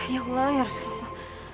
ya allah ya rasulullah